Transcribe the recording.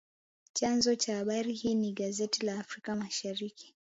Chanzo cha habari hii ni gazeti la Afrika Mashariki